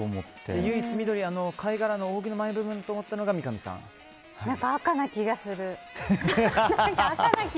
唯一、緑の貝殻の扇の前部分と思ったのが赤な気がする。